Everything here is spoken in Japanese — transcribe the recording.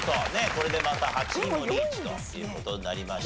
これでまた８位もリーチという事になりました。